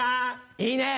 いいね。